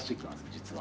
実は。